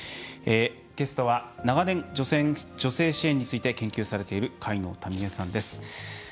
ゲストは長年女性支援について研究されている戒能民江さんです。